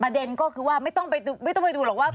เด็นก็คือว่าไม่ต้องไปดูหรอกว่า